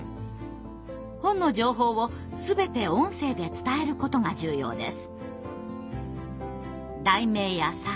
本の情報を全て音声で伝えることが重要です。